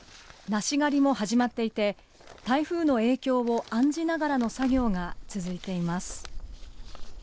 梨狩りも始まっていて、台風の影響を案じながらの作業が続いています。